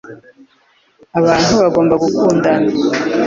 Abantu bagomba gukundana. .